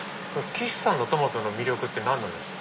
岸さんのトマトの魅力って何なんですか？